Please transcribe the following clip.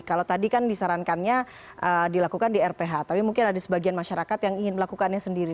kalau tadi kan disarankannya dilakukan di rph tapi mungkin ada sebagian masyarakat yang ingin melakukannya sendiri